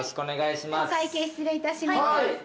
お会計失礼いたします。